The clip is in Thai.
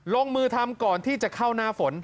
ลงมือทำก่อนที่จะเข้าหน้าฝน